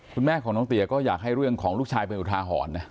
คุณแม่ของน้องเตี๋ยก็อยากให้เรื่องของลูกชายเป็นอุทาหรณ์นะ